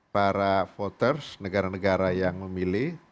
para voters negara negara yang memilih